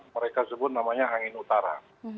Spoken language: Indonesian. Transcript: mereka sebut namanya angin utara